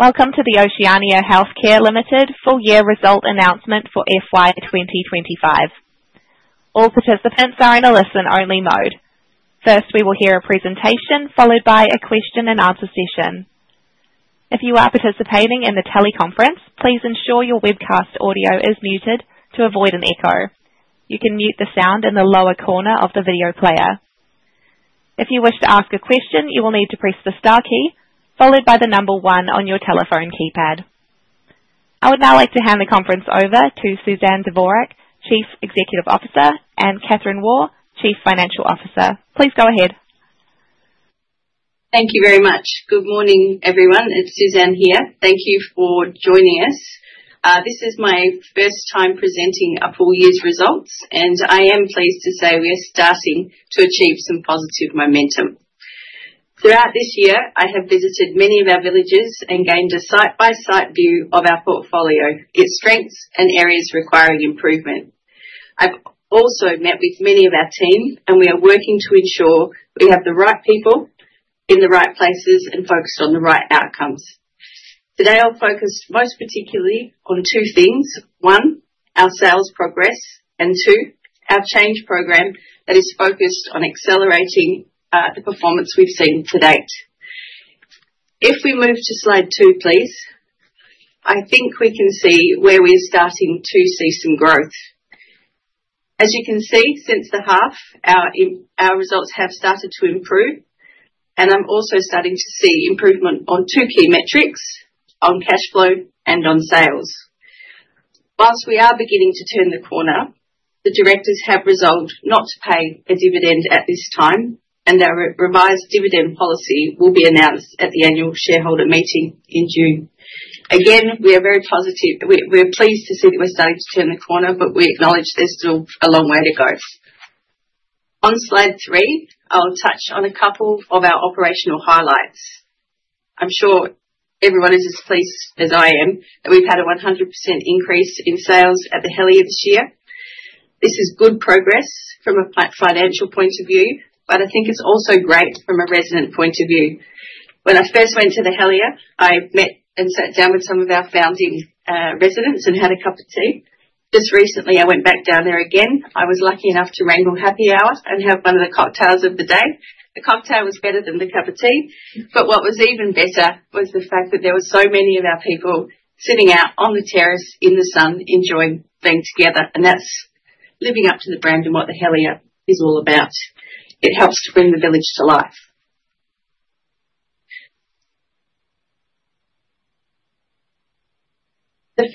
Welcome to the Oceania Healthcare Limited full-year result announcement for FY 2025. All participants are in a listen-only mode. First, we will hear a presentation followed by a question-and-answer session. If you are participating in the teleconference, please ensure your webcast audio is muted to avoid an echo. You can mute the sound in the lower corner of the video player. If you wish to ask a question, you will need to press the star key followed by the number one on your telephone keypad. I would now like to hand the conference over to Suzanne Dvorak, Chief Executive Officer, and Kathryn Waugh, Chief Financial Officer. Please go ahead. Thank you very much. Good morning, everyone. It’s Suzanne here. Thank you for joining us. This is my first time presenting our full-year results, and I am pleased to say we are starting to achieve some positive momentum. Throughout this year, I have visited many of our villages and gained a site-by-site view of our portfolio, its strengths, and areas requiring improvement. I’ve also met with many of our team, and we are working to ensure we have the right people in the right places and focused on the right outcomes. Today, I’ll focus most particularly on two things: one, our sales progress; and two, our change program that is focused on accelerating the performance we’ve seen to date. If we move to slide two, please, I think we can see where we are starting to see some growth. As you can see, since the half, our results have started to improve, and I’m also starting to see improvement on two key metrics: on cash flow and on sales. Whilst we are beginning to turn the corner, the directors have resolved not to pay a dividend at this time, and our revised dividend policy will be announced at the annual shareholder meeting in June. Again, we are very positive. We’re pleased to see that we’re starting to turn the corner, but we acknowledge there’s still a long way to go. On slide three, I’ll touch on a couple of our operational highlights. I’m sure everyone is as pleased as I am that we’ve had a 100% increase in sales at the Helia this year. This is good progress from a financial point of view, but I think it’s also great from a resident point of view. When I first went to the Helia, I met and sat down with some of our founding residents and had a cup of tea. Just recently, I went back down there again. I was lucky enough to wrangle happy hour and have one of the cocktails of the day. The cocktail was better than the cup of tea, but what was even better was the fact that there were so many of our people sitting out on the terrace in the sun enjoying being together, and that is living up to the brand and what the Helia is all about. It helps to bring the village to life. If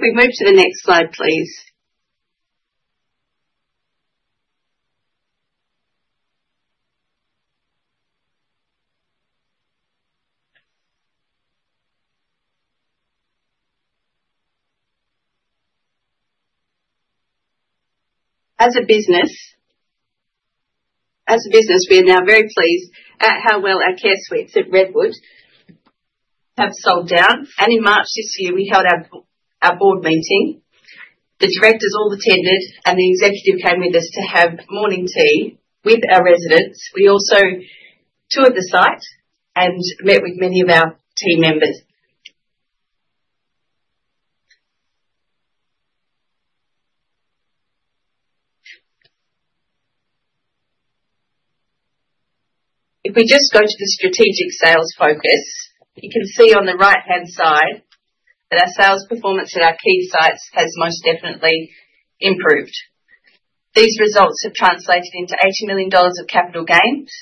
we move to the next slide, please. As a business, we are now very pleased at how well our care suites at Redwood have sold down. In March this year, we held our board meeting. The directors all attended, and the executive came with us to have morning tea with our residents. We also toured the site and met with many of our team members. If we just go to the strategic sales focus, you can see on the right-hand side that our sales performance at our key sites has most definitely improved. These results have translated into 80 million dollars of capital gains.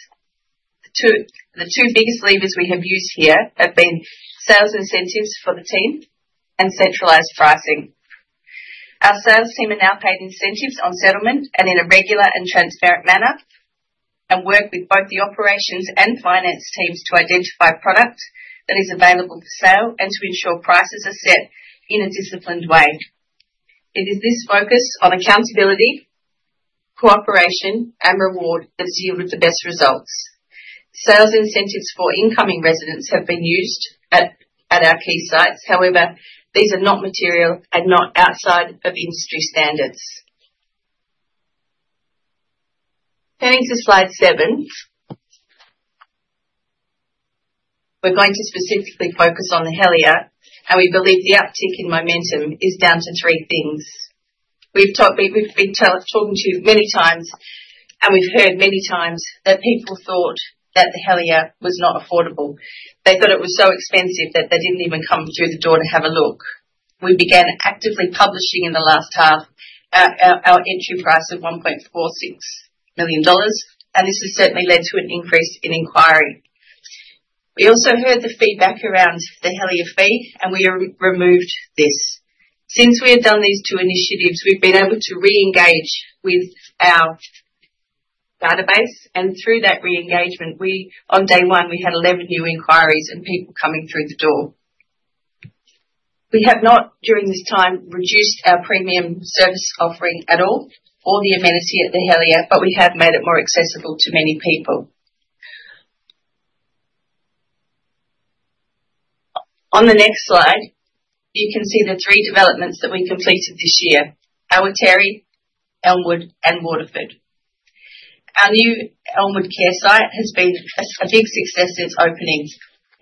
The two biggest levers we have used here have been sales incentives for the team and centralized pricing. Our sales team are now paid incentives on settlement and in a regular and transparent manner, and work with both the operations and finance teams to identify product that is available for sale and to ensure prices are set in a disciplined way. It is this focus on accountability, cooperation, and reward that has yielded the best results. Sales incentives for incoming residents have been used at our key sites. However, these are not material and not outside of industry standards. Turning to slide seven, we’re going to specifically focus on the Helia, and we believe the uptick in momentum is down to three things. We’ve been talking to you many times, and we’ve heard many times that people thought that the Helia was not affordable. They thought it was so expensive that they didn’t even come through the door to have a look. We began actively publishing in the last half our entry price of 146 million dollars, and this has certainly led to an increase in inquiry. We also heard the feedback around the Helia fee, and we removed this. Since we have done these two initiatives, we’ve been able to re-engage with our database, and through that re-engagement, on day one, we had 11 new inquiries and people coming through the door. We have not, during this time, reduced our premium service offering at all or the amenity at the Helia, but we have made it more accessible to many people. On the next slide, you can see the three developments that we completed this year: Elmwood, Waterford, and Almuretry. Our new Elmwood care suite has been a big success since opening.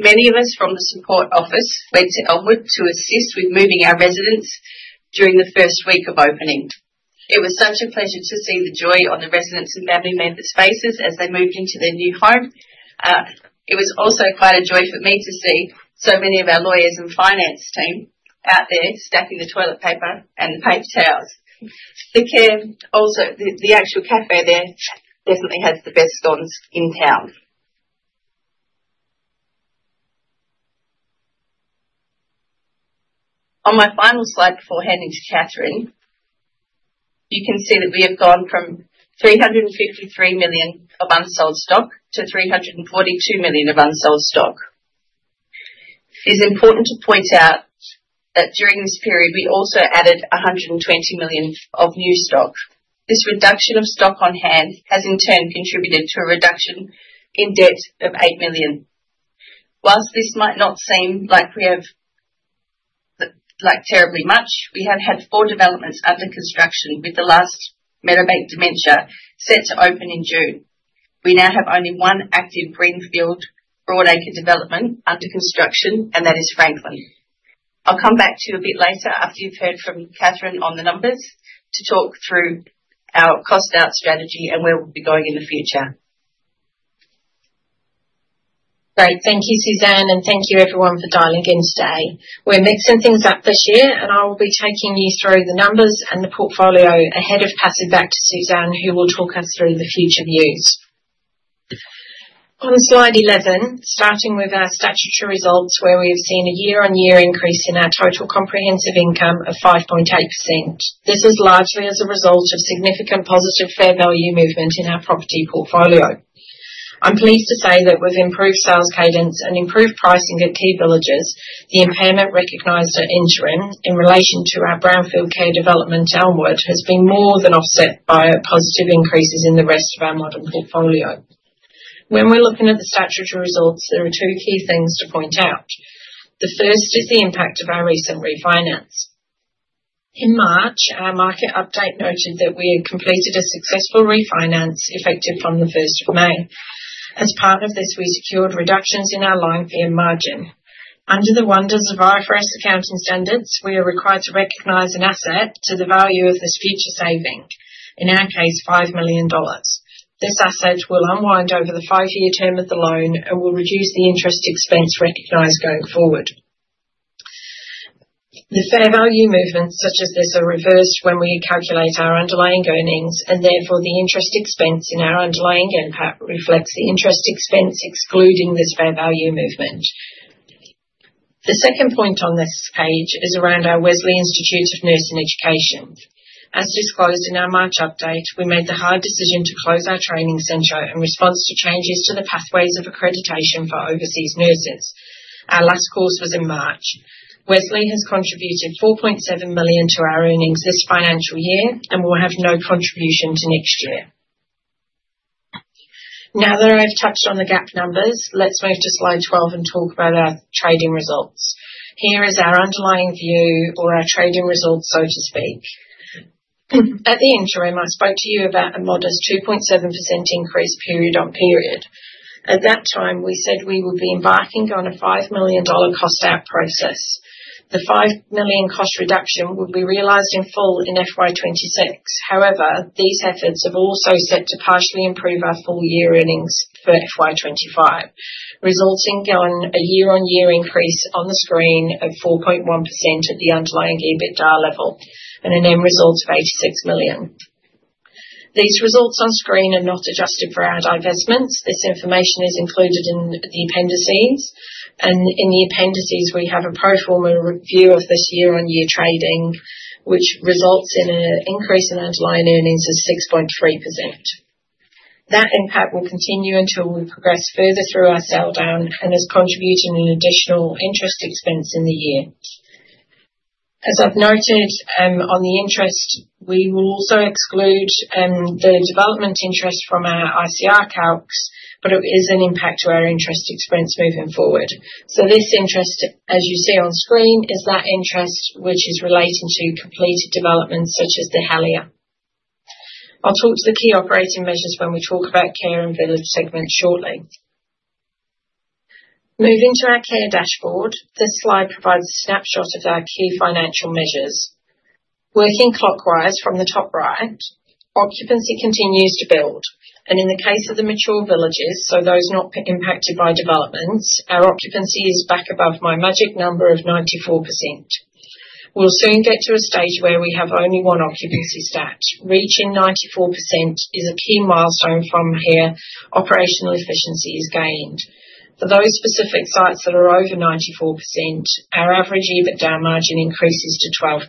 Many of us from the support office went to Elmwood to assist with moving our residents during the first week of opening. It was such a pleasure to see the joy on the residents’ and family members’ faces as they moved into their new home. It was also quite a joy for me to see so many of our lawyers and finance team out there stacking the toilet paper and the paper towels. The actual café there definitely has the best scones in town. On my final slide before handing to Kathryn, you can see that we have gone from 353 million of unsold stock to 342 million of unsold stock. It is important to point out that during this period, we also added 120 million of new stock. This reduction of stock on hand has, in turn, contributed to a reduction in debt of 8 million. Whilst this might not seem like we have terribly much, we have had four developments under construction, with the last Meadowbank Dementia set to open in June. We now have only one active greenfield broadacre development under construction, and that is Franklin. I’ll come back to you a bit later after you’ve heard from Kathryn on the numbers to talk through our cost-out strategy and where we’ll be going in the future. Great. Thank you, Suzanne, and thank you, everyone, for dialling in today. We’re mixing things up this year, and I will be taking you through the numbers and the portfolio ahead of passing back to Suzanne, who will talk us through the future views. On slide 11, starting with our statutory results, we have seen a year-on-year increase in our total comprehensive income of 5.8%. This is largely as a result of significant positive fair value movement in our property portfolio. I’m pleased to say that with improved sales cadence and improved pricing at key villages, the impairment recognised at interim in relation to our brownfield care development Elmwood has been more than offset by positive increases in the rest of our modern portfolio. The fair value movement, such as this, is reversed when we calculate our underlying earnings, and therefore the interest expense in our underlying impact reflects the interest expense excluding this fair value movement. The second point on this page is around our Wesley Institute of Nursing Education. As disclosed in our March update, we made the hard decision to close our training centre in response to changes to the pathways of accreditation for overseas nurses. Our last course was in March. Wesley has contributed 4.7 million to our earnings this financial year and will have no contribution to next year. Now that I’ve touched on the gap numbers, let’s move to slide 12 and talk about our trading results. Here is our underlying view of our trading results, so to speak. At the interim, I spoke to you about a modest 2.7% increase period on period… At that time, we said we would be embarking on an 5 million dollar cost-out process. The 5 million cost reduction would be realised in full in FY 2026. However, these efforts have also begun to partially improve our full-year earnings for FY 2025, resulting in a year-on-year increase on the screen of 4.1% at the underlying EBITDA level and an end result of 86 million. These results on screen are not adjusted for our divestments. This information is included in the appendices, and in the appendices, we have a pro-forma review of this year-on-year trading, which results in an increase in underlying earnings of 6.3%. That impact will continue until we progress further through our sell-down and has contributed an additional interest expense in the year. As I’ve noted on the interest, we will also exclude the development interest from our ICR calculations, but it is an impact to our interest expense moving forward. This interest, as you see on screen, is that interest which is relating to completed developments such as the Helia. I’ll talk to the key operating measures when we talk about care and village segments shortly. Moving to our care dashboard, this slide provides a snapshot of our key financial measures. Working clockwise from the top right, occupancy continues to build, and in the case of the mature villages — so those not impacted by developments — our occupancy is back above my magic number of 94%. We’ll soon get to a stage where we have only one occupancy area left to attain. Reaching 94% is a key milestone from here. Operational efficiency is gained. For those specific sites that are over 94%, our average EBITDA margin increases to 12%.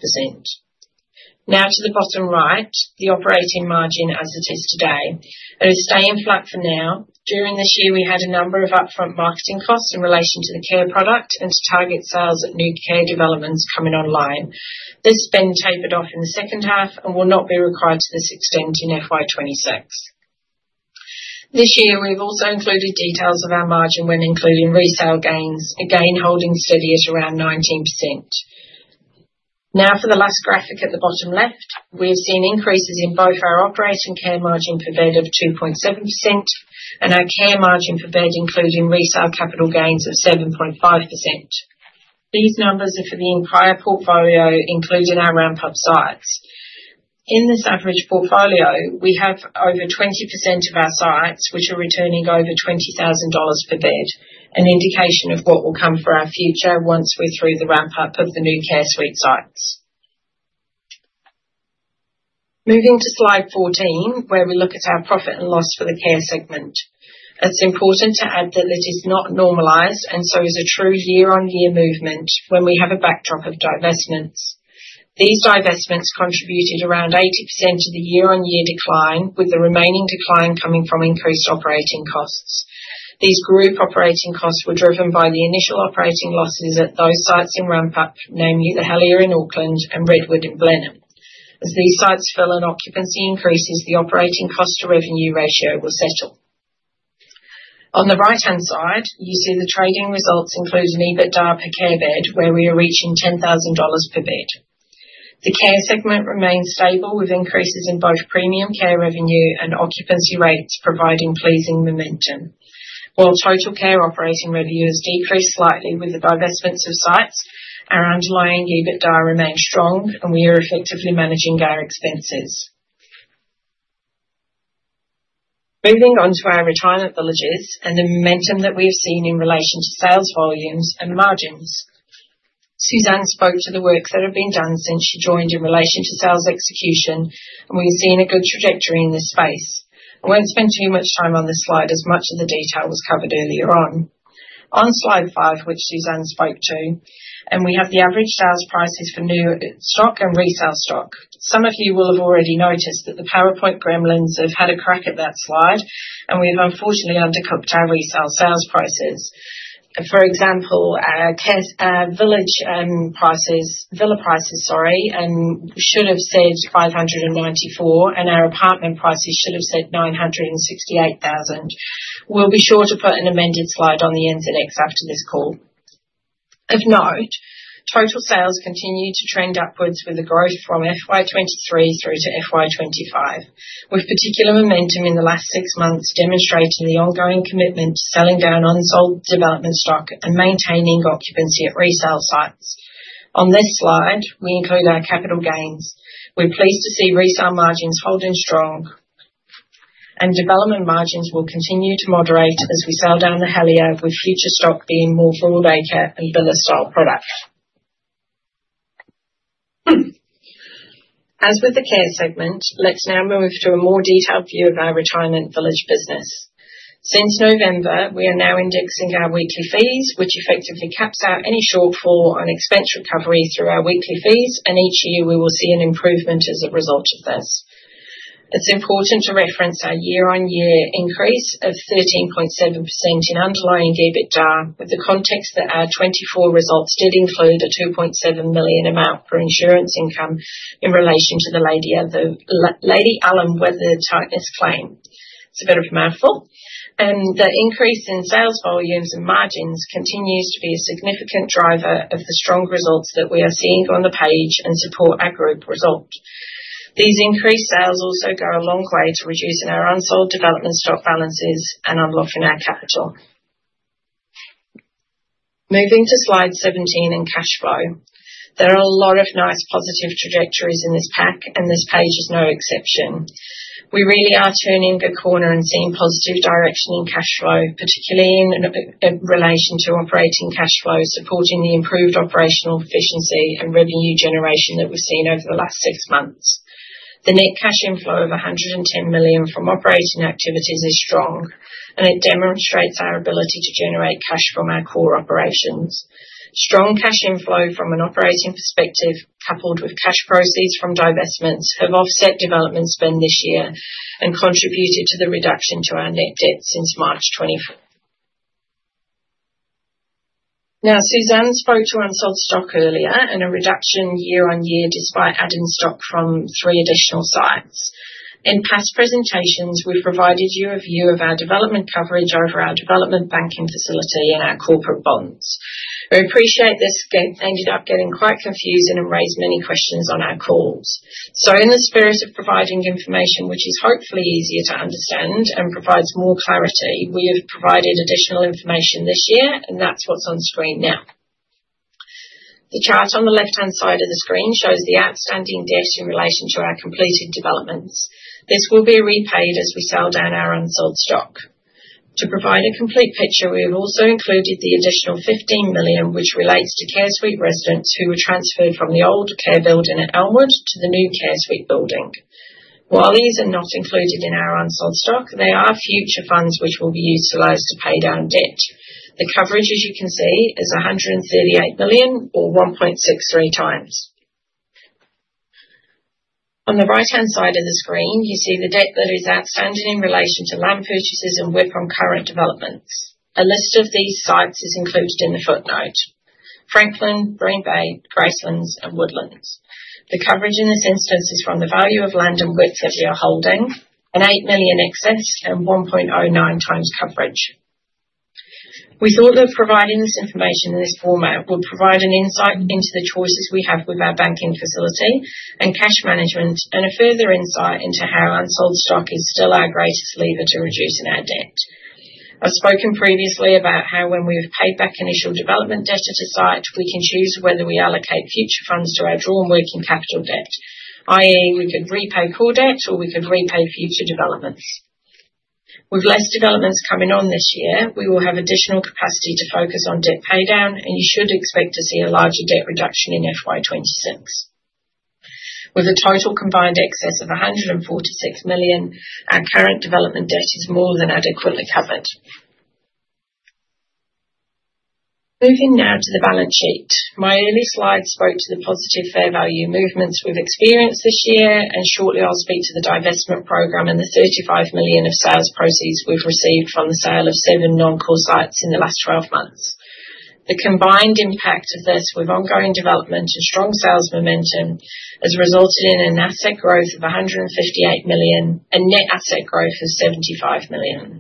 Now, to the bottom right, the operating margin is as it is today. It is staying flat for now. During this year, we had a number of upfront marketing costs in relation to the care product and to target sales at new care developments coming online. This has been tapered off in the second half and will not be required to this extent in FY 2026. This year, we’ve also included details of our margin when including resale gains, again holding steady at around 19%. Now, for the last graphic at the bottom left, we have seen increases in both our operating care margin per bed of 2.7% and our care margin per bed, including resale capital gains, of 7.5%. These numbers are for the entire portfolio, including our ramp-up sites. In this average portfolio, we have over 20% of our sites which are returning over 20,000 dollars per bed, an indication of what will come for our future once we’re through the ramp-up of the new care suite sites. Moving to slide 14, where we look at our profit and loss for the care segment: It’s important to add that it is not normalised, and so is a true year-on-year movement when we have a backdrop of divestments. These divestments contributed around 80% of the year-on-year decline, with the remaining decline coming from increased operating costs. These group operating costs were driven by the initial operating losses at those sites in ramp-up, namely the Helia in Auckland and Redwood in Blenheim. As these sites fill in, occupancy increases, and the operating cost-to-revenue ratio will settle. On the right-hand side, you see the trading results include an EBITDA per care bed, where we are reaching 10,000 dollars per bed. The care segment remains stable, with increases in both premium care revenue and occupancy rates providing pleasing momentum. While total care operating revenue has decreased slightly with the divestments of sites, our underlying EBITDA remains strong, and we are effectively managing our expenses. Some of you will have already noticed that the PowerPoint gremlins have had a crack at that slide, and we have unfortunately undercoded our resale sales prices. For example, our villa prices — sorry — should have said 594,000, and our apartment prices should have said 968,000. We’ll be sure to put an amended slide on the end index after this call. As with the care segment, let’s now move to a more detailed view of our retirement village business. Since November, we are now indexing our weekly fees, which effectively caps out any shortfall on expense recovery through our weekly fees, and each year we will see an improvement as a result of this. It’s important to reference our year-on-year increase of 13.7% in underlying EBITDA, with the context that our 2024 results did include 2.7 million amount for insurance income in relation to Lady Allum weather’s claim. It’s a bit of a mouthful. The increase in sales volumes and margins continues to be a significant driver of the strong results that we are seeing on the page and support our group result. These increased sales also go a long way to reducing our unsold development stock balances and unlocking our capital. Moving to slide 17 and cash flow. We appreciate this ended up getting quite confusing and raised many questions on our calls. In the spirit of providing information which is hopefully easier to understand and provides more clarity, we have provided additional information this year, and that is what is on screen now. The chart on the left-hand side of the screen shows the outstanding debt in relation to our completed developments. This will be repaid as we sell down our unsold stock. To provide a complete picture, we have also included the additional 15 million, which relates to care suite residents who were transferred from the old care building at Elmwood to the new care suite building. While these are not included in our unsold stock, they are future funds which will be utilized to pay down debt. The coverage, as you can see, is 138 million, or 1.63 times. On the right-hand side of the screen, you see the debt that is outstanding in relation to land purchases and WIP on current developments. A list of these sites is included in the footnote: Franklin, Green Bay, Gracelands, and Woodlands. The coverage in this instance is from the value of land and WIP that we are holding, an 8 million excess, and 1.09 times coverage. We thought that providing this information in this format would provide an insight into the choices we have with our banking facility and cash management, and a further insight into how unsold stock is still our greatest lever to reducing our debt. I've spoken previously about how when we have paid back initial development debt at a site, we can choose whether we allocate future funds to our drawn working capital debt, i.e., we could repay core debt, or we could repay future developments. With less developments coming on this year, we will have additional capacity to focus on debt paydown, and you should expect to see a larger debt reduction in FY 2026. With a total combined excess of 146 million, our current development debt is more than adequately covered. Moving now to the balance sheet. My earlier slide spoke to the positive fair value movements we have experienced this year, and shortly I will speak to the divestment program and the 35 million of sales proceeds we have received from the sale of seven non-core sites in the last 12 months. The combined impact of this, with ongoing development and strong sales momentum, has resulted in an asset growth of 158 million and net asset growth of 75 million.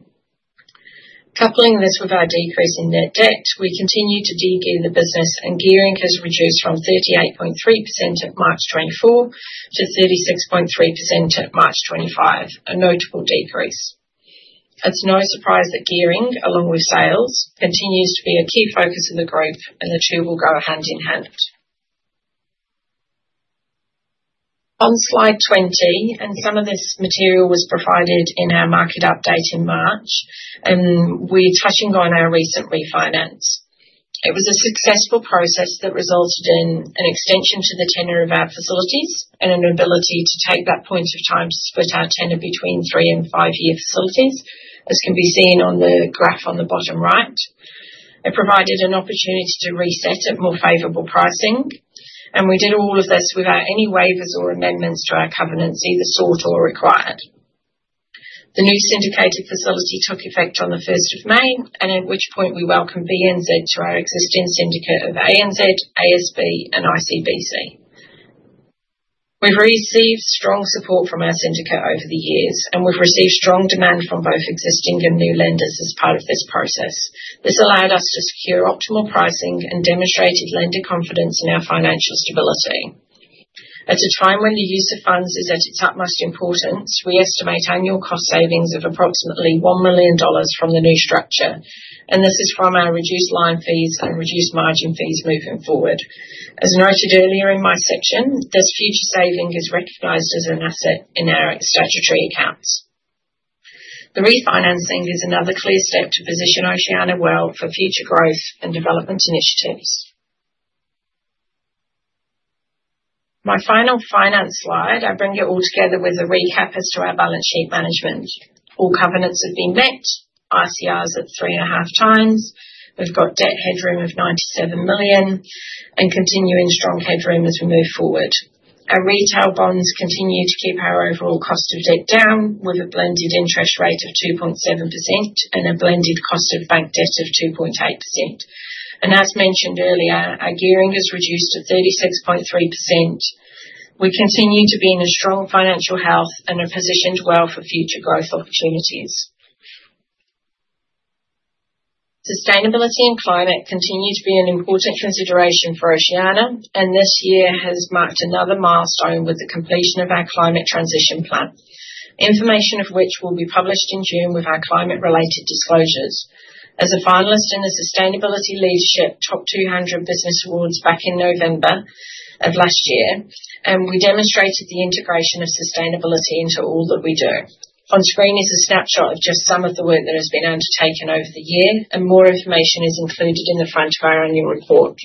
Coupling this with our decrease in net debt, we continue to degear the business, and gearing has reduced from 38.3% at March 2024 to 36.3% at March 2025, a notable decrease. It's no surprise that gearing, along with sales, continues to be a key focus of the group, and the two will go hand in hand. On slide 20, and some of this material was provided in our market update in March, and we're touching on our recent refinance. It was a successful process that resulted in an extension to the tenure of our facilities and an ability to take that point of time to split our tenure between three- and five-year facilities, as can be seen on the graph on the bottom right. It provided an opportunity to reset at more favorable pricing, and we did all of this without any waivers or amendments to our covenants, either sought or required. The new syndicated facility took effect on the 1st of May, at which point we welcomed BNZ to our existing syndicate of ANZ, ASB, and ICBC. We've received strong support from our syndicate over the years, and we've received strong demand from both existing and new lenders as part of this process. This allowed us to secure optimal pricing and demonstrated lender confidence in our financial stability. At a time when the use of funds is at its utmost importance, we estimate annual cost savings of approximately 1 million dollars from the new structure, and this is from our reduced line fees and reduced margin fees moving forward. As noted earlier in my section, this future saving is recognized as an asset in our statutory accounts. The refinancing is another clear step to position Oceania well for future growth and development initiatives. My final finance slide, I bring it all together with a recap as to our balance sheet management. All covenants have been met, ICRs at three and a half times, we've got debt headroom of 97 million, and continuing strong headroom as we move forward. Our retail bonds continue to keep our overall cost of debt down, with a blended interest rate of 2.7% and a blended cost of bank debt of 2.8%. As mentioned earlier, our gearing is reduced to 36.3%. We continue to be in a strong financial health and are positioned well for future growth opportunities. Sustainability and climate continue to be an important consideration for Oceania, and this year has marked another milestone with the completion of our climate transition plan, information of which will be published in June with our climate-related disclosures. As a finalist in the Sustainability Leadership Top 200 Business Awards back in November of last year, we demonstrated the integration of sustainability into all that we do. On screen is a snapshot of just some of the work that has been undertaken over the year, and more information is included in the front of our annual report.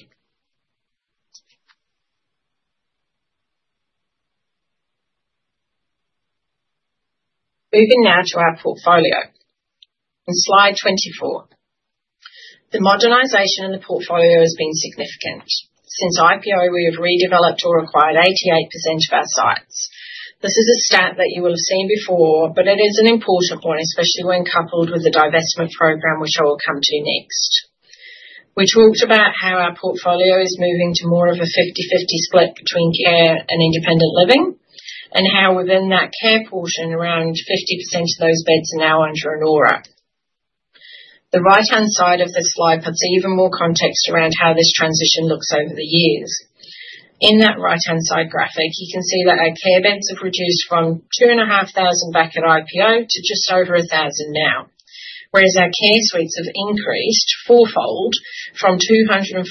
Moving now to our portfolio. In slide 24, the modernization in the portfolio has been significant. Since IPO, we have redeveloped or acquired 88% of our sites. This is a stat that you will have seen before, but it is an important one, especially when coupled with the divestment program, which I will come to next. We talked about how our portfolio is moving to more of a 50/50 split between care and independent living, and how within that care portion, around 50% of those beds are now under an Aura. The right-hand side of this slide puts even more context around how this transition looks over the years. In that right-hand side graphic, you can see that our care beds have reduced from 2,500 back at IPO to just over 1,000 now, whereas our care suites have increased fourfold from 242 at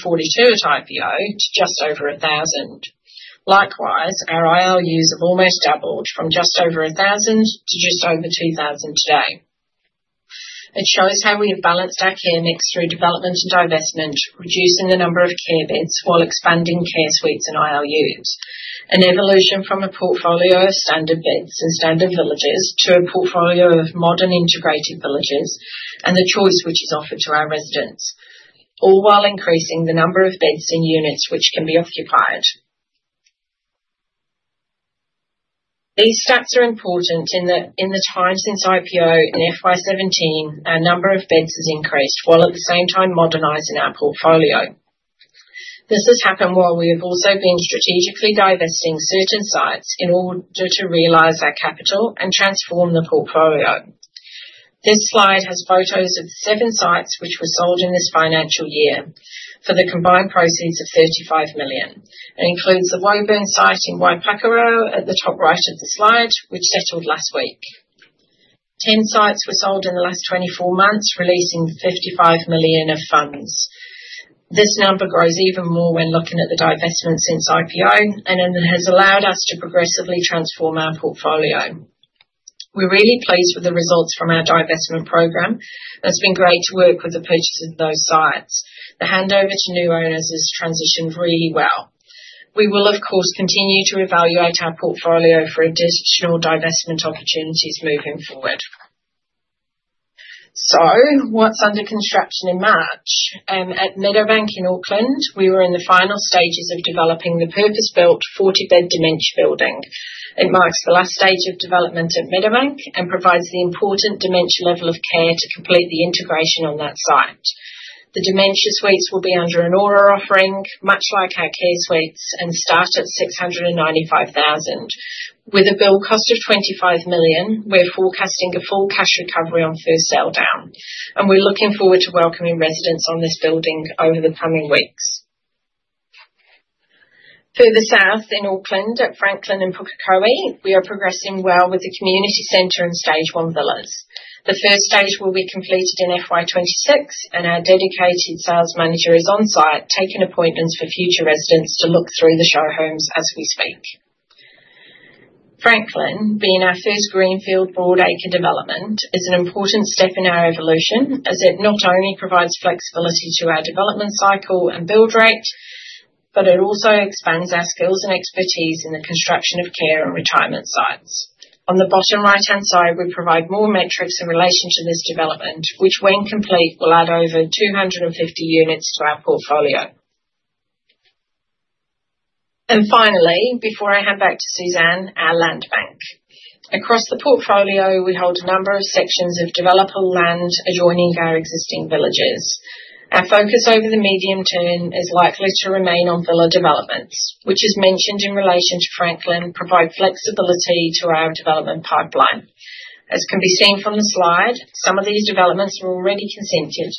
IPO to just over 1,000. Likewise, our ILUs have almost doubled from just over 1,000 to just over 2,000 today. It shows how we have balanced our care mix through development and divestment, reducing the number of care beds while expanding care suites and ILUs. An evolution from a portfolio of standard beds and standard villages to a portfolio of modern integrated villages and the choice which is offered to our residents, all while increasing the number of beds and units which can be occupied. These stats are important in that in the time since IPO and FY 2017, our number of beds has increased while at the same time modernizing our portfolio. This has happened while we have also been strategically divesting certain sites in order to realize our capital and transform the portfolio. This slide has photos of seven sites which were sold in this financial year for the combined proceeds of 35 million. It includes the Woburn site in Waipukurau at the top right of the slide, which settled last week. Ten sites were sold in the last 24 months, releasing 55 million of funds. This number grows even more when looking at the divestment since IPO, and it has allowed us to progressively transform our portfolio. We're really pleased with the results from our divestment program. It's been great to work with the purchase of those sites. The handover to new owners has transitioned really well. We will, of course, continue to evaluate our portfolio for additional divestment opportunities moving forward. What's under construction in March? At Meadowbank in Auckland, we were in the final stages of developing the purpose-built 40-bed dementia building. It marks the last stage of development at Meadowbank and provides the important dementia level of care to complete the integration on that site. The dementia suites will be under an Aura offering, much like our care suites, and start at 695,000. With a build cost of 25 million, we're forecasting a full cash recovery on first sell down, and we're looking forward to welcoming residents on this building over the coming weeks. Further south in Auckland, at Franklin and Pukekohe, we are progressing well with the community center and stage one villas. The first stage will be completed in FY 2026, and our dedicated sales manager is on site taking appointments for future residents to look through the show homes as we speak. Franklin, being our first greenfield broadacre development, is an important step in our evolution, as it not only provides flexibility to our development cycle and build rate, but it also expands our skills and expertise in the construction of care and retirement sites. On the bottom right-hand side, we provide more metrics in relation to this development, which, when complete, will add over 250 units to our portfolio. Finally, before I hand back to Suzanne, our land bank. Across the portfolio, we hold a number of sections of developable land adjoining our existing villages. Our focus over the medium term is likely to remain on villa developments, which, as mentioned in relation to Franklin, provide flexibility to our development pipeline. As can be seen from the slide, some of these developments are already consented.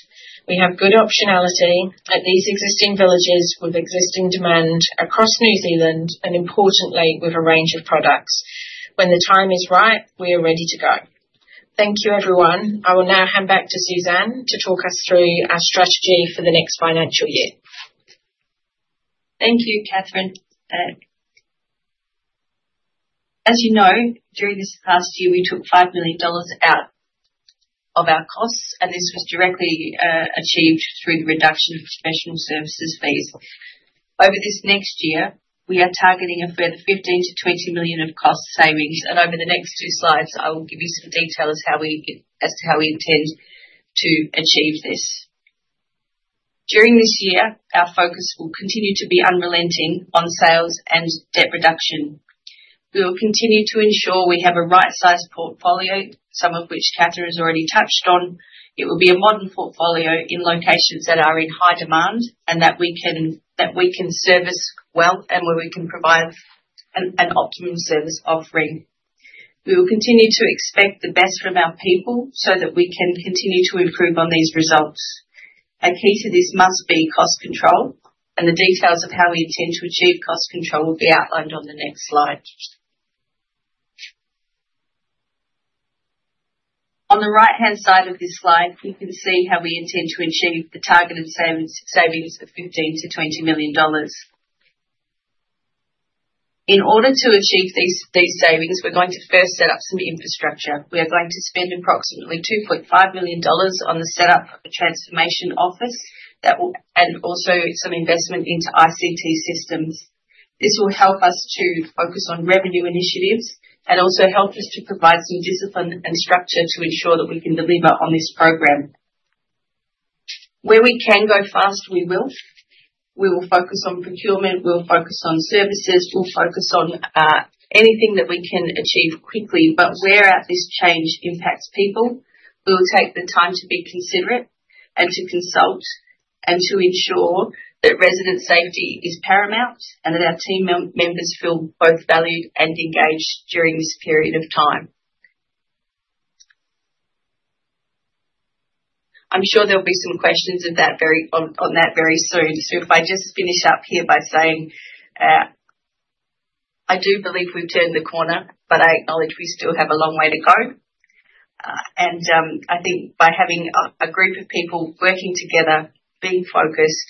We have good optionality at these existing villages with existing demand across New Zealand, and importantly, with a range of products. When the time is right, we are ready to go. Thank you, everyone. I will now hand back to Suzanne to talk us through our strategy for the next financial year. Thank you, Kathryn. As you know, during this past year, we took $5 million out of our costs, and this was directly achieved through the reduction of professional services fees. Over this next year, we are targeting a further $15-$20 million of cost savings, and over the next two slides, I will give you some detail as to how we intend to achieve this. During this year, our focus will continue to be unrelenting on sales and debt reduction. We will continue to ensure we have a right-sized portfolio, some of which Kathryn has already touched on. It will be a modern portfolio in locations that are in high demand and that we can service well, and where we can provide an optimum service offering. We will continue to expect the best from our people so that we can continue to improve on these results. A key to this must be cost control, and the details of how we intend to achieve cost control will be outlined on the next slide. On the right-hand side of this slide, you can see how we intend to achieve the targeted savings of 15 million-20 million dollars. In order to achieve these savings, we're going to first set up some infrastructure. We are going to spend approximately 2.5 million dollars on the setup of a transformation office and also some investment into ICT systems. This will help us to focus on revenue initiatives and also help us to provide some discipline and structure to ensure that we can deliver on this program. Where we can go fast, we will. We will focus on procurement. We'll focus on services. We'll focus on anything that we can achieve quickly. Where this change impacts people, we will take the time to be considerate and to consult and to ensure that resident safety is paramount and that our team members feel both valued and engaged during this period of time. I'm sure there'll be some questions on that very soon, so if I just finish up here by saying I do believe we've turned the corner, but I acknowledge we still have a long way to go. I think by having a group of people working together, being focused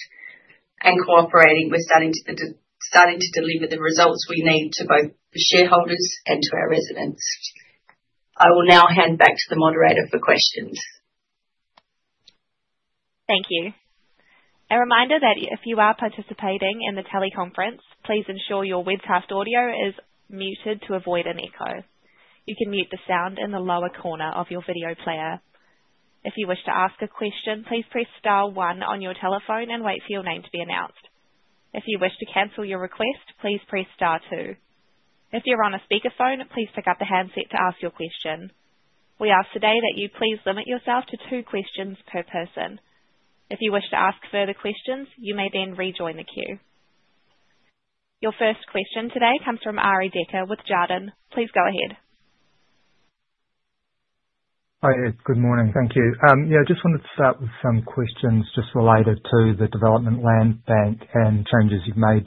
and cooperating, we're starting to deliver the results we need to both the shareholders and to our residents. I will now hand back to the moderator for questions. Thank you. A reminder that if you are participating in the teleconference, please ensure your webcast audio is muted to avoid an echo. You can mute the sound in the lower corner of your video player. If you wish to ask a question, please press Star 1 on your telephone and wait for your name to be announced. If you wish to cancel your request, please press Star 2. If you're on a speakerphone, please pick up the handset to ask your question. We ask today that you please limit yourself to two questions per person. If you wish to ask further questions, you may then rejoin the queue. Your first question today comes from Ari Decker with Jarden. Please go ahead. Hi, good morning. Thank you. Yeah, I just wanted to start with some questions just related to the development land bank and changes you've made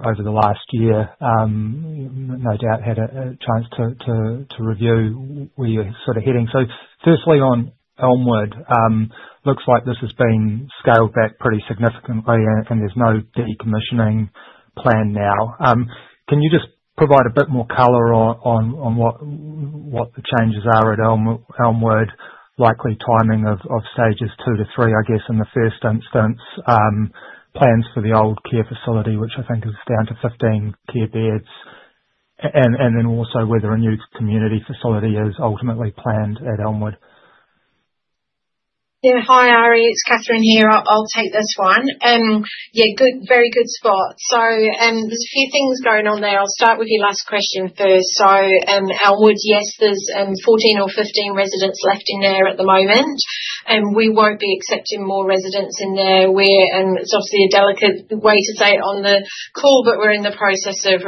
over the last year. No doubt had a chance to review where you're sort of heading. Firstly, on Elmwood, looks like this has been scaled back pretty significantly, and there's no decommissioning plan now. Can you just provide a bit more color on what the changes are at Elmwood, likely timing of stages two to three, I guess, in the first instance, plans for the old care facility, which I think is down to 15 care beds, and then also whether a new community facility is ultimately planned at Elmwood? Yeah, hi, Ari. It's Kathryn here. I'll take this one. Yeah, very good spot. There's a few things going on there. I'll start with your last question first. Elmwood, yes, there's 14 or 15 residents left in there at the moment, and we won't be accepting more residents in there. It's obviously a delicate way to say it on the call, but we're in the process of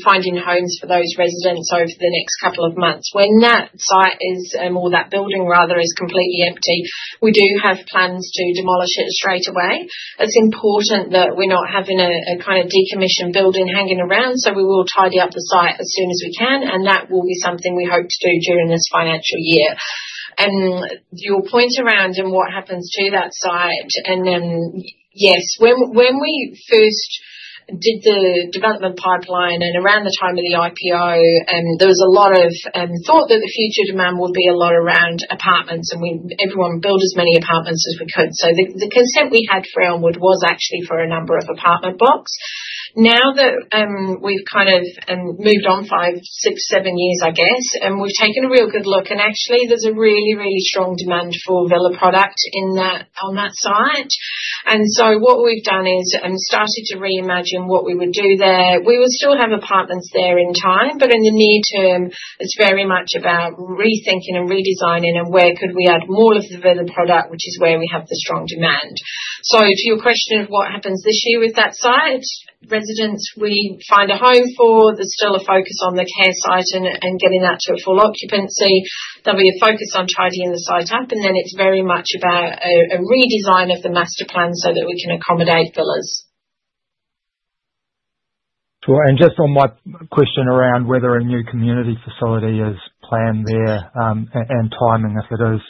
finding homes for those residents over the next couple of months. When that site is, or that building rather, is completely empty, we do have plans to demolish it straight away. It's important that we're not having a kind of decommissioned building hanging around, so we will tidy up the site as soon as we can, and that will be something we hope to do during this financial year. Your point around what happens to that site, and yes, when we first did the development pipeline and around the time of the IPO, there was a lot of thought that the future demand would be a lot around apartments, and we everyone built as many apartments as we could. The consent we had for Elmwood was actually for a number of apartment blocks. Now that we've kind of moved on five, six, seven years, I guess, and we've taken a real good look, and actually there's a really, really strong demand for villa product on that site. What we've done is started to reimagine what we would do there. We will still have apartments there in time, but in the near term, it's very much about rethinking and redesigning and where could we add more of the villa product, which is where we have the strong demand. To your question of what happens this year with that site, residents we find a home for, there's still a focus on the care site and getting that to a full occupancy. There'll be a focus on tidying the site up, and then it's very much about a redesign of the master plan so that we can accommodate villas. And just on my question around whether a new community facility is planned there and timing if it is.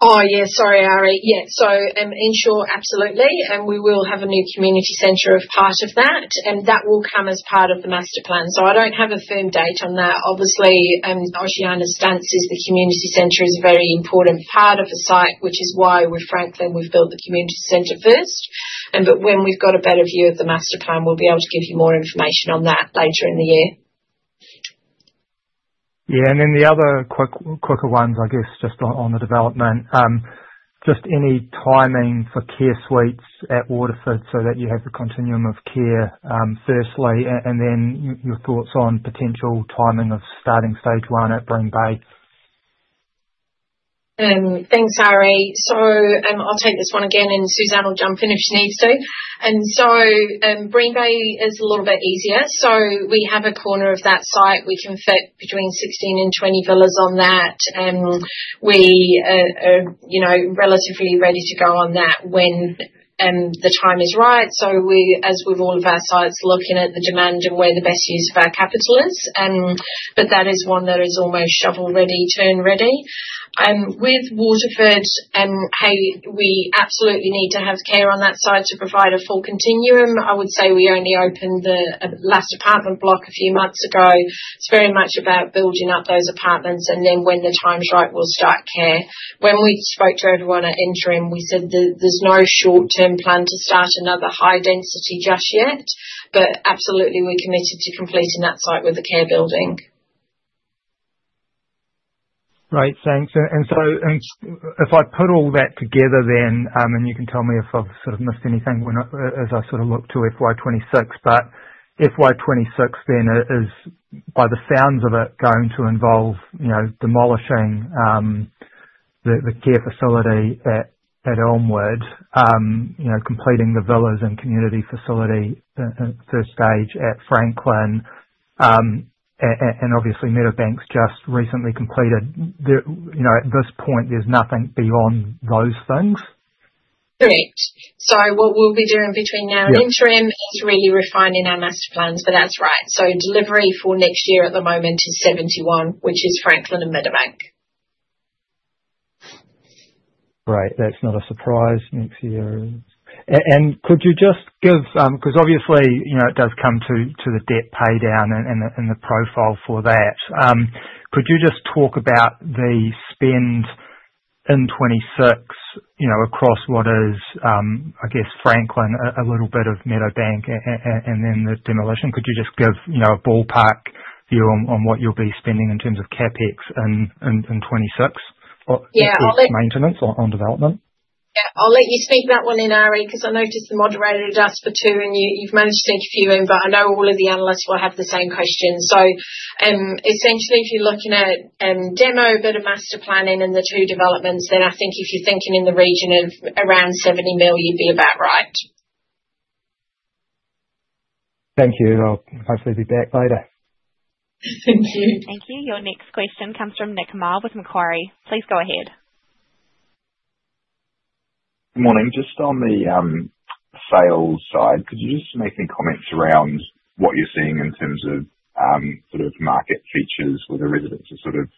Oh, yeah, sorry, Ari. Yeah, so in short, absolutely. And we will have a new community center as part of that, and that will come as part of the master plan. I don't have a firm date on that. Obviously, Oceania's stance is the community center is a very important part of the site, which is why at Franklin, we've built the community center first. When we've got a better view of the master plan, we'll be able to give you more information on that later in the year. Yeah, and then the other quicker ones, I guess, just on the development, just any timing for care suites at Waterford so that you have the continuum of care firstly, and then your thoughts on potential timing of starting stage one at Green Bay. Thanks, Ari. I’ll take this one again, and Suzanne will jump in if she needs to. Green Bay is a little bit easier. We have a corner of that site where we can fit between 16-20 villas, and we are relatively ready to go on that when the time is right. As with all of our sites, we are looking at the demand and where the best use of our capital is. That is one that is almost shovel-ready, turn-ready. With Waterford, we absolutely need to have care on that site to provide a full continuum. I would say we only opened the last apartment block a few months ago. It's very much about building up those apartments, and then when the time's right, we'll start care. When we spoke to everyone at interim, we said there's no short-term plan to start another high-density just yet, but absolutely we're committed to completing that site with the care building. Right, thanks. If I put all that together then, and you can tell me if I've sort of missed anything as I sort of look to FY 2026, but FY 2026 then is by the sounds of it going to involve demolishing the care facility at Elmwood, completing the villas and community facility first stage at Franklin, and obviously Meadowbank's just recently completed. At this point, there's nothing beyond those things? Correct. What we'll be doing between now and interim is really refining our master plans, but that's right. Delivery for next year at the moment is 71, which is Franklin and Meadowbank. Right, that's not a surprise. Next year. Could you just give, because obviously it does come to the debt paydown and the profile for that, could you just talk about the spend in 2026 across what is, I guess, Franklin, a little bit of Meadowbank, and then the demolition? Could you just give a ballpark view on what you'll be spending in terms of CapEx in 2026? Yeah, I'll let you speak to that one, Ari, because I noticed the moderator does for two, and you've managed to take a few in, but I know all of the analysts will have the same question. Essentially, if you're looking at demo but a master planning in the two developments, then I think if you're thinking in the region of around 70 million, you'd be about right. Thank you. I'll hopefully be back later. Thank you. Thank you. Your next question comes from Nick Maugh with Macquarie. Please go ahead. Good morning. Just on the sales side, could you just make any comments around what you're seeing in terms of sort of market features where the residents are sort of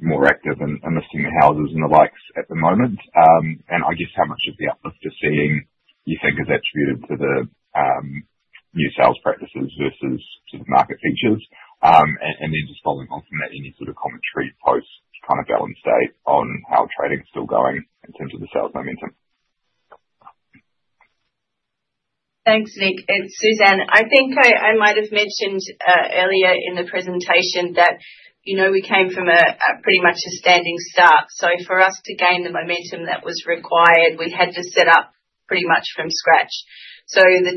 more active and listing the houses and the likes at the moment? I guess how much of the uplift you're seeing you think is attributed to the new sales practices versus sort of market features? Then just following on from that, any sort of commentary post kind of balance date on how trading's still going in terms of the sales momentum? Thanks, Nick. Suzanne, I think I might have mentioned earlier in the presentation that we came from pretty much a standing start. For us to gain the momentum that was required, we had to set up pretty much from scratch.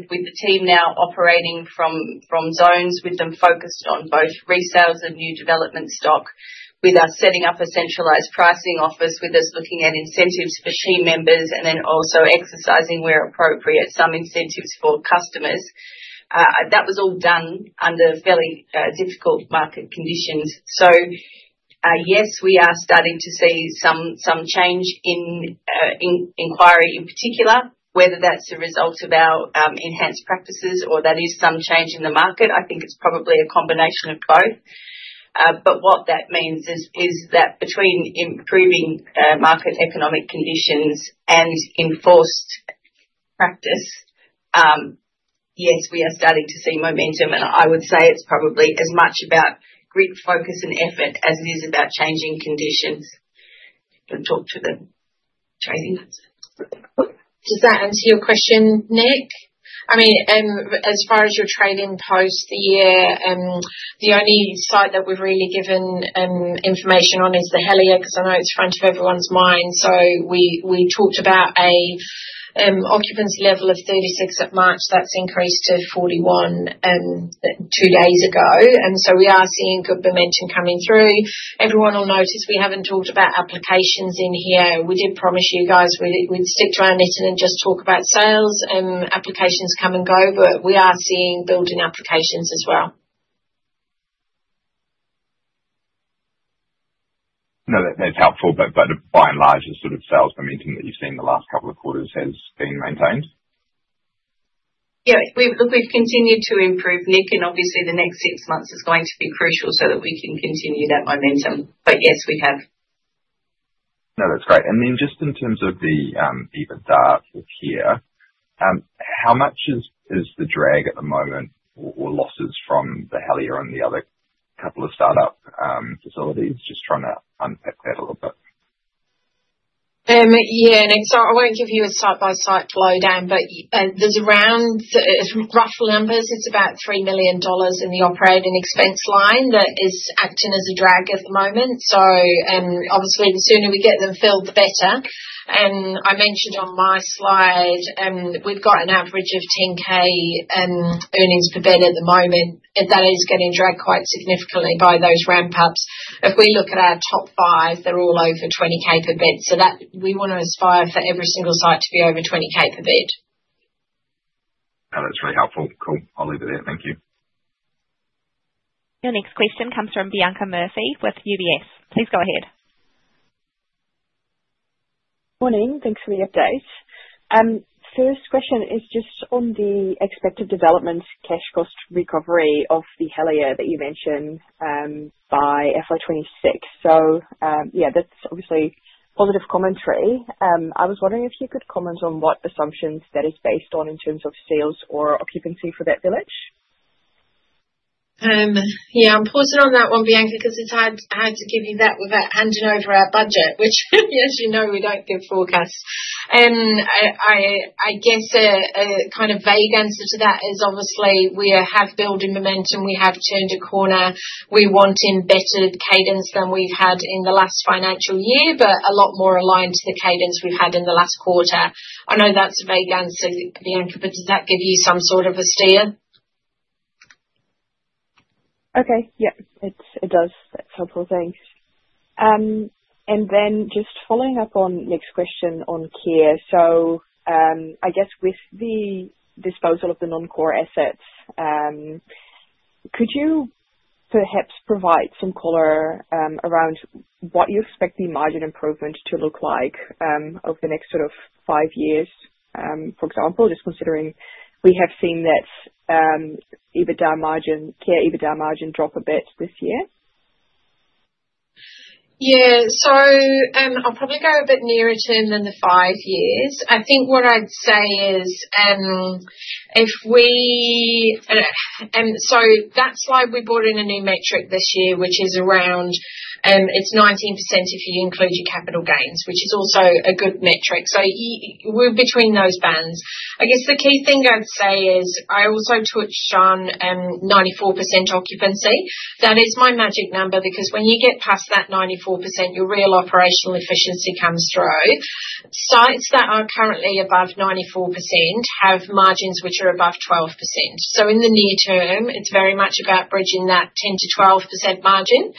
With the team now operating from zones with them focused on both resales and new development stock, with us setting up a centralized pricing office, with us looking at incentives for team members, and then also exercising, where appropriate, some incentives for customers. That was all done under fairly difficult market conditions. Yes, we are starting to see some change in inquiry in particular, whether that is a result of our enhanced practices or that is some change in the market. I think it is probably a combination of both. What that means is that between improving market economic conditions and enforced practice, yes, we are starting to see momentum. I would say it's probably as much about grit, focus, and effort as it is about changing conditions. I'll talk to the trading. Does that answer your question, Nick? I mean, as far as your trading post, the only site that we've really given information on is the Helia because I know it's front of everyone's mind. We talked about an occupancy level of 36 at March. That's increased to 41 two days ago. We are seeing good momentum coming through. Everyone will notice we haven't talked about applications in here. We did promise you guys we'd stick to our knitting and just talk about sales, and applications come and go, but we are seeing building applications as well. No, that's helpful. By and large, the sort of sales momentum that you've seen the last couple of quarters has been maintained? Yeah, look, we've continued to improve, Nick, and obviously the next six months is going to be crucial so that we can continue that momentum. But yes, we have. No, that's great. And then just in terms of the EBITDA here, how much is the drag at the moment or losses from the Helia and the other couple of startup facilities? Just trying to unpack that a little bit. Yeah, Nick. So I won't give you a site-by-site flow down, but there's around, rough numbers, it's about 3 million dollars in the operating expense line that is acting as a drag at the moment. Obviously, the sooner we get them filled, the better. I mentioned on my slide, we've got an average of 10,000 earnings per bed at the moment, and that is getting dragged quite significantly by those ramp-ups. If we look at our top five, they're all over 20,000 per bed. We want to aspire for every single site to be over 20,000 per bed. No, that's really helpful. Cool. I'll leave it there. Thank you. Your next question comes from Bianca Murphy with UBS. Please go ahead. Morning. Thanks for the update. First question is just on the expected development cash cost recovery of the Helia that you mentioned by FY 2026. Yeah, that's obviously positive commentary. I was wondering if you could comment on what assumptions that is based on in terms of sales or occupancy for that village? Yeah, I'm pausing on that one, Bianca, because it's hard to give you that without handing over our budget, which, as you know, we don't give forecasts. I guess a kind of vague answer to that is obviously we have building momentum. We have turned a corner. We want in better cadence than we've had in the last financial year, but a lot more aligned to the cadence we've had in the last quarter. I know that's a vague answer, Bianca, but does that give you some sort of a steer? Okay. Yep, it does. That's helpful. Thanks. And then just following up on Nick's question on care. I guess with the disposal of the non-core assets, could you perhaps provide some color around what you expect the margin improvement to look like over the next sort of five years? For example, just considering we have seen that care EBITDA margin drop a bit this year. Yeah. I'll probably go a bit nearer term than the five years. I think what I'd say is if we, so that's why we brought in a new metric this year, which is around, it's 19% if you include your capital gains, which is also a good metric. So we're between those bands. I guess the key thing I'd say is I also touched on 94% occupancy. That is my magic number because when you get past that 94%, your real operational efficiency comes through. Sites that are currently above 94% have margins which are above 12%. In the near term, it's very much about bridging that 10-12% margin,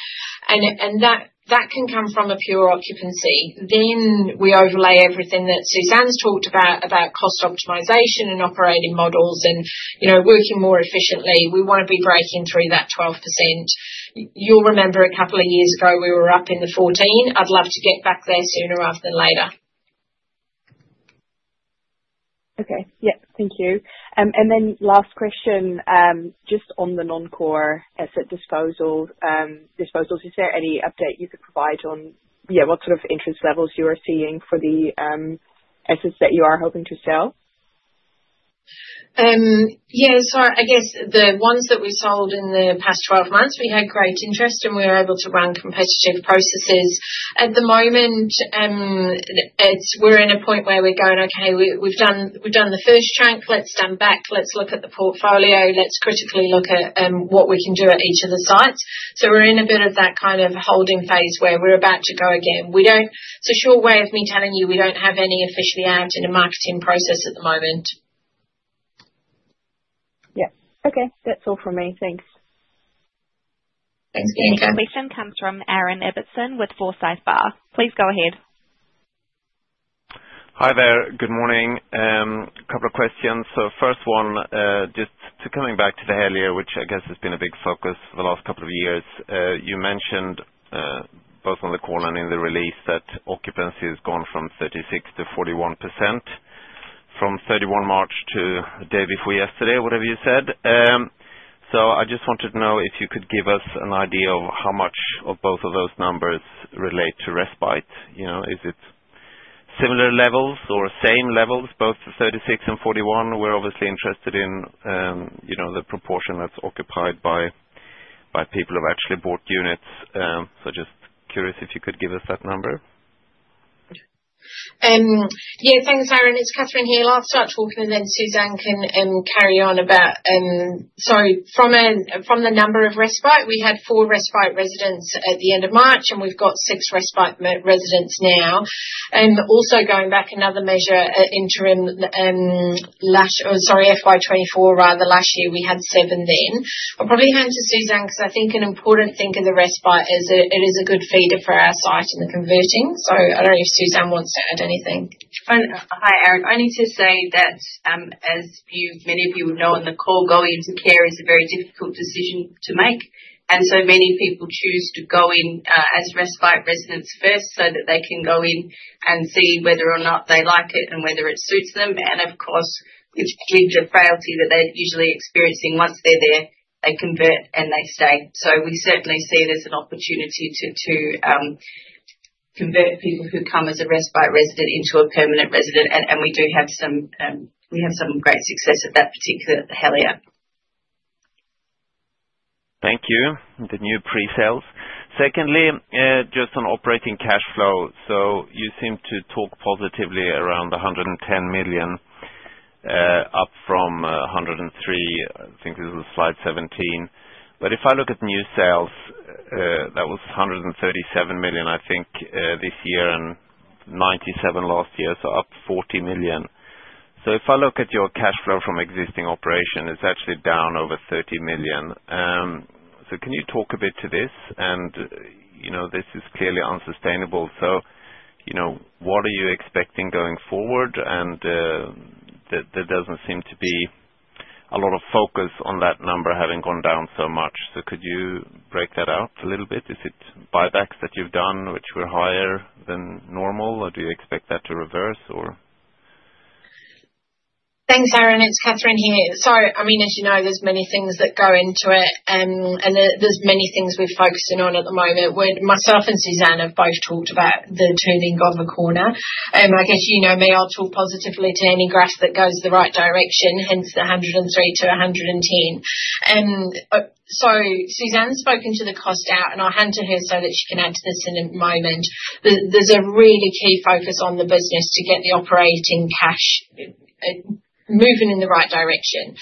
and that can come from a pure occupancy. Then we overlay everything that Suzanne's talked about, about cost optimization and operating models and working more efficiently. We want to be breaking through that 12%. You'll remember a couple of years ago we were up in the 14. I'd love to get back there sooner rather than later. Okay. Yep. Thank you. And then last question, just on the non-core asset disposals, is there any update you could provide on, yeah, what sort of interest levels you are seeing for the assets that you are hoping to sell? Yeah. So I guess the ones that we sold in the past 12 months, we had great interest, and we were able to run competitive processes. At the moment, we're in a point where we're going, "Okay, we've done the first chunk. Let's stand back. Let's look at the portfolio. Let's critically look at what we can do at each of the sites." We're in a bit of that kind of holding phase where we're about to go again. Short way of me telling you, we don't have any officially out in a marketing process at the moment. Yep. Okay. That's all from me. Thanks. Thanks, Bianca. Your next question comes from Aaron Ehret with Forsyth Barr. Please go ahead. Hi there. Good morning. A couple of questions. First one, just coming back to the Helia, which I guess has been a big focus for the last couple of years, you mentioned both on the call and in the release that occupancy has gone from 36% to 41% from 31 March to the day before yesterday, whatever you said. I just wanted to know if you could give us an idea of how much of both of those numbers relate to respite. Is it similar levels or same levels, both the 36% and 41%? We're obviously interested in the proportion that's occupied by people who have actually bought units. Just curious if you could give us that number. Yeah. Thanks, Aaron. It's Kathryn here. I'll start talking, and then Suzanne can carry on about, so from the number of respite, we had four respite residents at the end of March, and we've got six respite residents now. Also, going back, another measure, interim last, or sorry, FY 2024, rather, last year, we had seven then. I'll probably hand to Suzanne because I think an important thing of the respite is it is a good feeder for our site and the converting. I don't know if Suzanne wants to add anything. Hi, Aaron. I need to say that, as many of you would know on the call, going into care is a very difficult decision to make. Many people choose to go in as respite residents first so that they can go in and see whether or not they like it and whether it suits them. Of course, it's generally frailty that they're usually experiencing. Once they're there, they convert and they stay. We certainly see there's an opportunity to convert people who come as a respite resident into a permanent resident. We do have some great success at that particular Helia. Thank you. The new pre-sales. Secondly, just on operating cash flow. You seem to talk positively around 110 million up from 103 million. I think this was slide 17. If I look at new sales, that was 137 million, I think, this year and 97 million last year, so up 40 million. If I look at your cash flow from existing operation, it's actually down over 30 million. Can you talk a bit to this? This is clearly unsustainable. What are you expecting going forward? There does not seem to be a lot of focus on that number having gone down so much. Could you break that out a little bit? Is it buybacks that you have done, which were higher than normal, or do you expect that to reverse, or? Thanks, Aaron. It is Kathryn here. As you know, there are many things that go into it, and there are many things we are focusing on at the moment. Myself and Suzanne have both talked about the turning of a corner. I guess you know me. I will talk positively to any grass that goes the right direction, hence the 103-110. Suzanne has spoken to the cost out, and I will hand to her so that she can add to this in a moment. There is a really key focus on the business to get the operating cash moving in the right direction.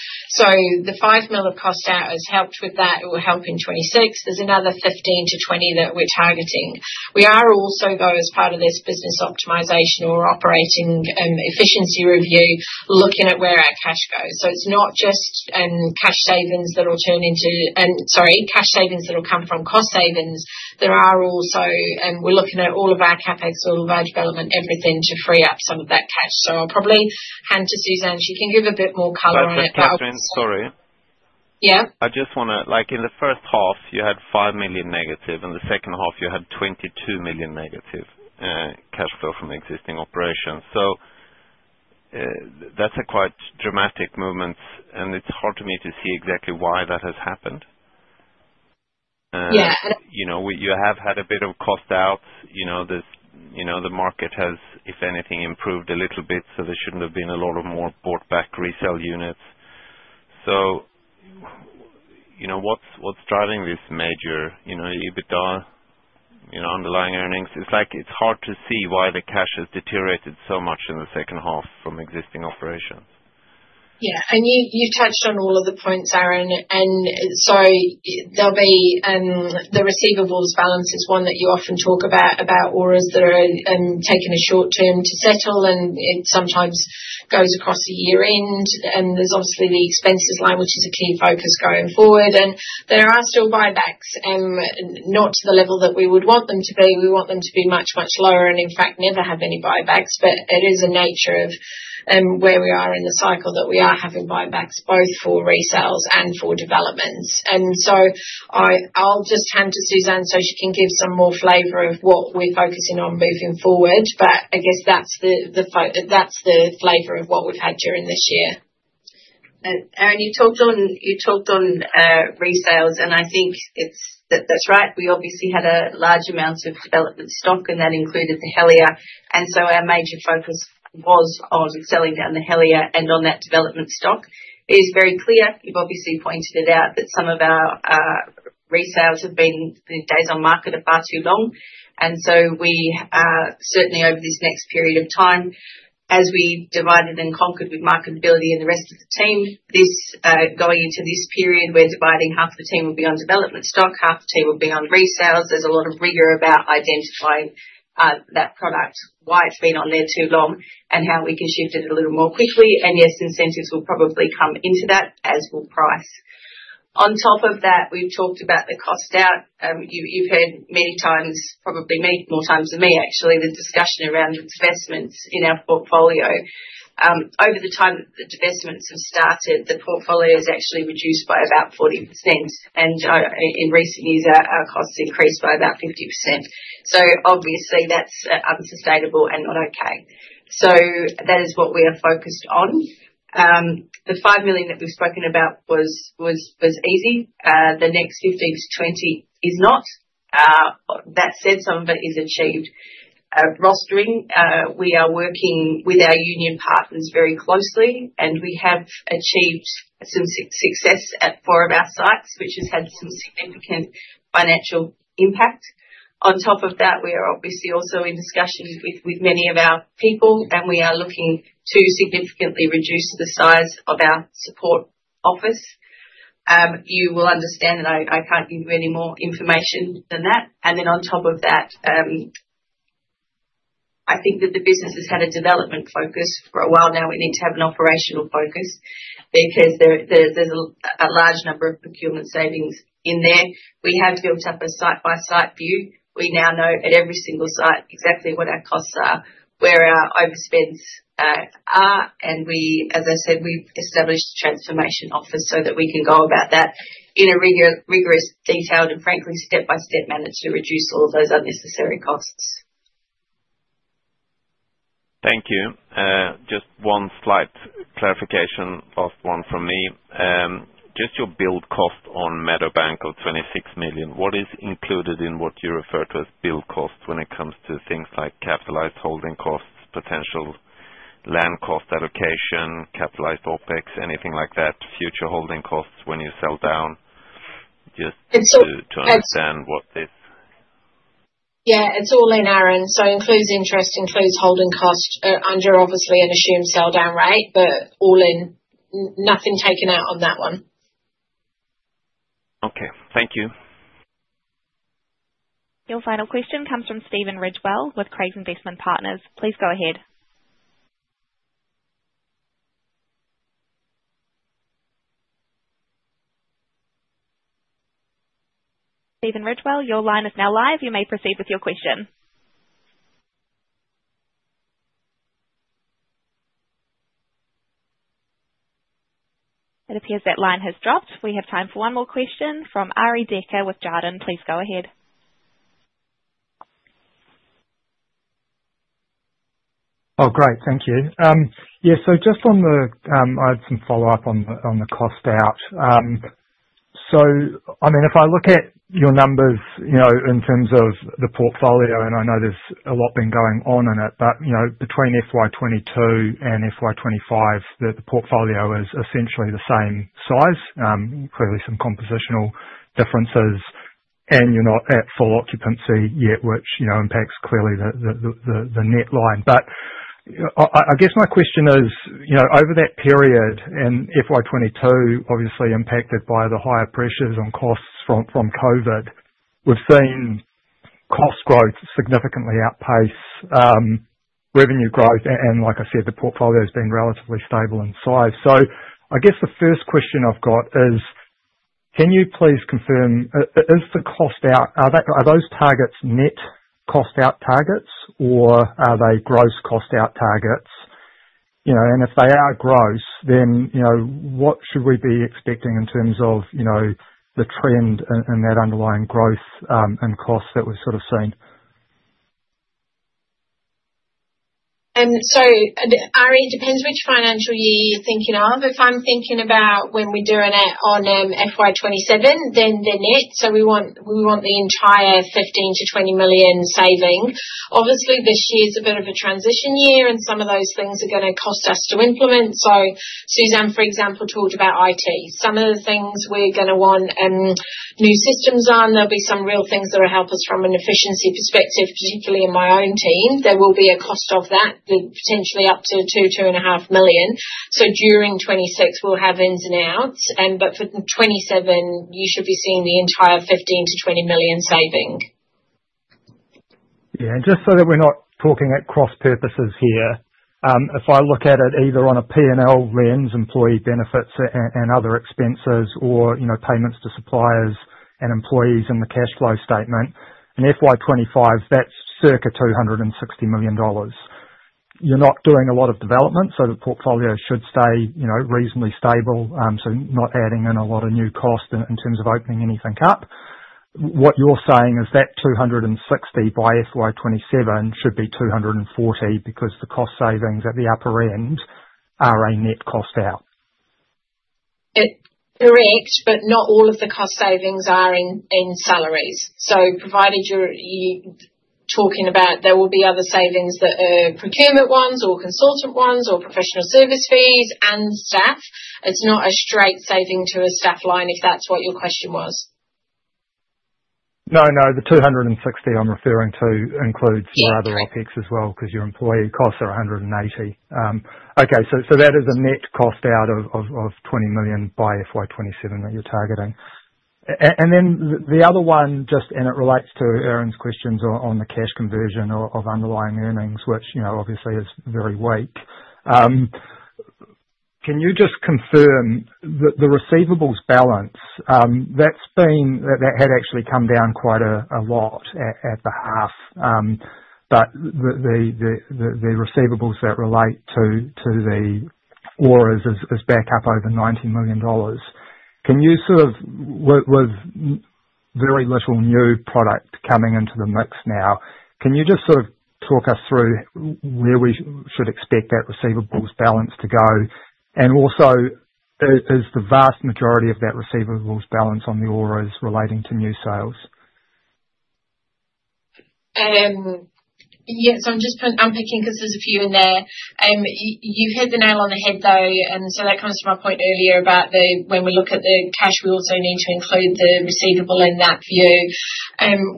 The 5 million of cost out has helped with that. It will help in 2026. There's another 15-20 million that we're targeting. We are also, though, as part of this business optimization or operating efficiency review, looking at where our cash goes. It's not just cash savings that will come from cost savings. We are also looking at all of our CapEx, all of our development, everything to free up some of that cash. I'll probably hand to Suzanne. She can give a bit more color on it. Hi, Kathryn. Sorry. Yeah? I just want to, in the first half, you had 5 million negative, and in the second half, you had 22 million negative cash flow from existing operations. That's a quite dramatic movement, and it's hard for me to see exactly why that has happened. Yeah. You have had a bit of cost out. The market has, if anything, improved a little bit, so there should not have been a lot of more bought-back resale units. What is driving this major EBITDA, underlying earnings? It is hard to see why the cash has deteriorated so much in the second half from existing operations. Yeah. You touched on all of the points, Aaron. There will be the receivables balance is one that you often talk about, or is there taken a short term to settle, and it sometimes goes across the year end. There is obviously the expenses line, which is a key focus going forward. There are still buybacks, not to the level that we would want them to be. We want them to be much, much lower and, in fact, never have any buybacks. It is a nature of where we are in the cycle that we are having buybacks, both for resales and for developments. I'll just hand to Suzanne so she can give some more flavor of what we're focusing on moving forward. I guess that's the flavor of what we've had during this year. Aaron, you talked on resales, and I think that's right. We obviously had a large amount of development stock, and that included the Helia. Our major focus was on selling down the Helia and on that development stock. It is very clear. You've obviously pointed it out that some of our resales have been the days on market are far too long. We certainly, over this next period of time, as we divided and conquered with marketability and the rest of the team, going into this period, we're dividing half the team will be on development stock, half the team will be on resales. There's a lot of rigor about identifying that product, why it's been on there too long, and how we can shift it a little more quickly. Yes, incentives will probably come into that as will price. On top of that, we've talked about the cost-out. You've heard many times, probably many more times than me, actually, the discussion around investments in our portfolio. Over the time that the divestments have started, the portfolio has actually reduced by about 40%. In recent years, our costs increased by about 50%. Obviously, that's unsustainable and not okay. That is what we are focused on. The $5 million that we've spoken about was easy. The next $15 million-$20 million is not. That said, some of it is achieved. Rostering, we are working with our union partners very closely, and we have achieved some success at four of our sites, which has had some significant financial impact. On top of that, we are obviously also in discussion with many of our people, and we are looking to significantly reduce the size of our support office. You will understand that I can't give you any more information than that. On top of that, I think that the business has had a development focus for a while now. We need to have an operational focus because there's a large number of procurement savings in there. We have built up a site-by-site view. We now know at every single site exactly what our costs are, where our overspends are. As I said, we've established a transformation office so that we can go about that in a rigorous, detailed, and frankly step-by-step manner to reduce all of those unnecessary costs. Thank you. Just one slight clarification, last one from me. Just your build cost on Meadowbank of 26 million, what is included in what you refer to as build cost when it comes to things like capitalized holding costs, potential land cost allocation, capitalized OpEx, anything like that, future holding costs when you sell down? Just to understand what this is. Yeah. It's all in, Aaron. So includes interest, includes holding cost under obviously an assumed sell-down rate, but all in, nothing taken out on that one. Okay. Thank you. Your final question comes from Stephen Ridgewell with Craigs Investment Partners. Please go ahead. It appears that line has dropped. We have time for one more question from Ari Decker with Jarden. Please go ahead. Oh, great. Thank you. Yeah. So just on the I had some follow-up on the cost out. I mean, if I look at your numbers in terms of the portfolio, and I know there is a lot been going on in it, but between FY 2022 and FY 2025, the portfolio is essentially the same size, clearly some compositional differences, and you are not at full occupancy yet, which impacts clearly the net line. I guess my question is, over that period, and FY 2022 obviously impacted by the higher pressures on costs from COVID, we have seen cost growth significantly outpace revenue growth. Like I said, the portfolio has been relatively stable in size. I guess the first question I've got is, can you please confirm, is the cost out, are those targets net cost out targets, or are they gross cost out targets? If they are gross, then what should we be expecting in terms of the trend and that underlying growth in cost that we've sort of seen? Ari, it depends which financial year you're thinking of. If I'm thinking about when we're doing it on FY 2027, then they're net. We want the entire 15 million-20 million saving. Obviously, this year is a bit of a transition year, and some of those things are going to cost us to implement. Suzanne, for example, talked about IT. Some of the things we're going to want new systems on. There will be some real things that will help us from an efficiency perspective, particularly in my own team. There will be a cost of that, potentially up to 2 million-2.5 million. During 2026, we'll have ins and outs. For 2027, you should be seeing the entire 15 million-20 million saving. Yeah. Just so that we're not talking at cross purposes here, if I look at it either on a P&L lens, employee benefits and other expenses or payments to suppliers and employees in the cash flow statement, in FY 2025, that's circa 260 million dollars. You're not doing a lot of development, so the portfolio should stay reasonably stable, so not adding in a lot of new cost in terms of opening anything up. What you're saying is that 260 million by FY 2027 should be 240 million because the cost savings at the upper end are a net cost out. Correct, but not all of the cost savings are in salaries. Provided you're talking about there will be other savings that are procurement ones or consultant ones or professional service fees and staff, it's not a straight saving to a staff line if that's what your question was. No, no. The 260 I'm referring to includes your other OpEx as well because your employee costs are 180. Okay. That is a net cost out of $20 million by FY 2027 that you're targeting. The other one, just in it relates to Aaron's questions on the cash conversion of underlying earnings, which obviously is very weak. Can you just confirm that the receivables balance, that had actually come down quite a lot at the half, but the receivables that relate to the ORAs is back up over $90 million. Can you sort of, with very little new product coming into the mix now, can you just sort of talk us through where we should expect that receivables balance to go? Also, is the vast majority of that receivables balance on the ORAs relating to new sales? Yes. I'm picking because there's a few in there. You hit the nail on the head, though. That comes from my point earlier about when we look at the cash, we also need to include the receivable in that view.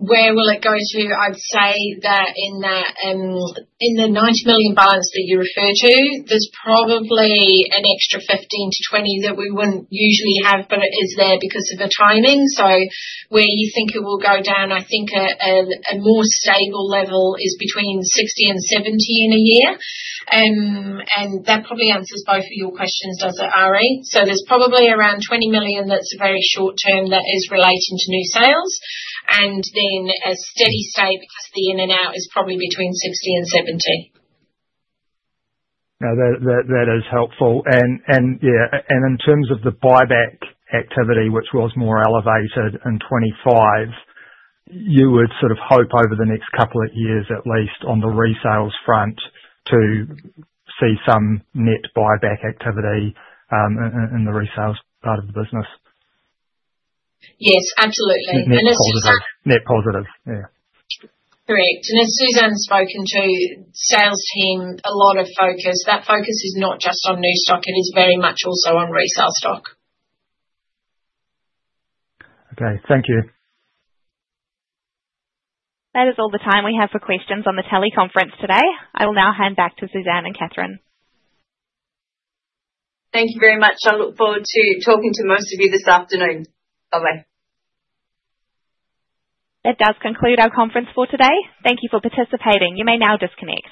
Where will it go to? I'd say that in the 90 million balance that you refer to, there's probably an extra 15-20 million that we wouldn't usually have, but it is there because of the timing. Where you think it will go down, I think a more stable level is between 60-70 million in a year. That probably answers both of your questions, does it, Ari? There is probably around 20 million that is very short term that is relating to new sales. Then a steady state because the in and out is probably between 60 million-70 million. No, that is helpful. Yeah. In terms of the buyback activity, which was more elevated in 2025, you would sort of hope over the next couple of years, at least on the resales front, to see some net buyback activity in the resales part of the business. Yes, absolutely. There is some net positive. Yeah. Correct. As Suzanne's spoken to, sales team, a lot of focus. That focus is not just on new stock. It is very much also on resale stock. Okay. Thank you. That is all the time we have for questions on the teleconference today. I will now hand back to Suzanne and Kathryn. Thank you very much. I look forward to talking to most of you this afternoon. Bye-bye. That does conclude our conference for today. Thank you for participating. You may now disconnect.